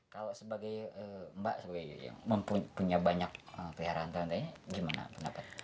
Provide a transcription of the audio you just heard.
kalau sebagai mbak sebagai yang mempunyai banyak peliharaan talenta ini gimana pendapat